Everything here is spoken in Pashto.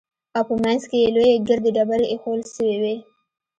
او په منځ کښې يې لويې ګردې ډبرې ايښوول سوې وې.